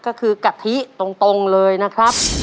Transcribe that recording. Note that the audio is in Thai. ก็คือกะทิตรงเลยนะครับ